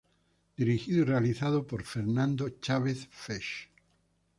Dirigido y realizado por: Fernando Chávez "Fech".